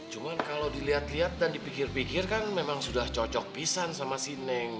cuma kalau dilihat lihat dan dipikir pikir kan memang sudah cocok pisan sama si neng